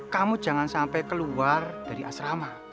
kamu jangan sampai keluar dari asrama